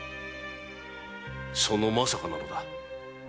その「まさか」なのだ。